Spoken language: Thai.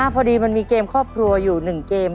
พอดีมันมีเกมครอบครัวอยู่๑เกม